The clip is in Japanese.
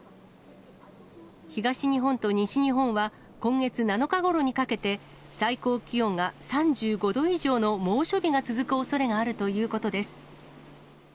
東日本と西日本は、今月７日ごろにかけて、最高気温が３５度以上の猛暑日が続くおそれがあるということです。